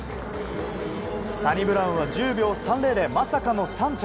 サニブラウンは１０秒３０でまさかの３着。